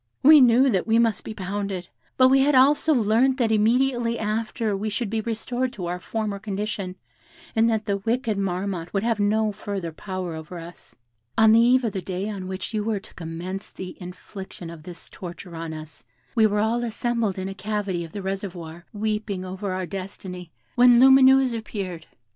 "We knew that we must be pounded; but we had also learnt that immediately after we should be restored to our former condition, and that the wicked Marmotte would have no further power over us. On the eve of the day on which you were to commence the infliction of this torture on us, we were all assembled in a cavity of the reservoir, weeping over our destiny, when Lumineuse appeared.